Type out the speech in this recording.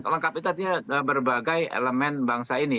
lengkap itu artinya berbagai elemen bangsa ini